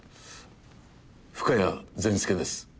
深谷善輔です。